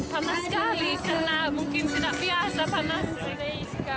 panas sekali karena mungkin tidak biasa panas